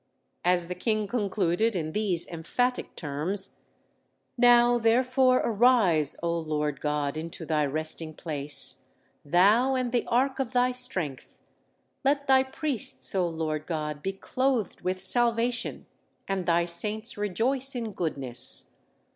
As the king concluded in these emphatic terms: _Now, therefore, arise, O Lord God, into thy resting place, thou and the ark of thy strength: let thy priests, O Lord God, be clothed with salvation, and thy saints rejoice in goodness.